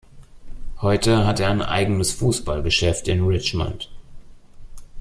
Heute hat er ein eigenes Fußballgeschäft in Richmond.